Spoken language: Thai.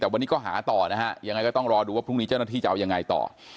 แต่วันนี้ก็หาต่อนะฮะยังไงก็ต้องรอดูว่าพรุ่งนี้เจ้าหน้าที่จะเอายังไงต่อ